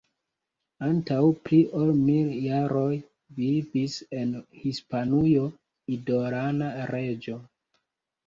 Antaŭ pli ol mil jaroj vivis en Hispanujo idolana reĝo.